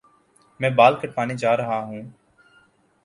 میں بال کٹوانے جا رہا ہوں